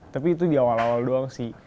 tapi itu di awal awal doang sih